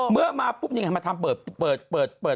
เมื่อมาปุ๊บนี่มาทำเปิด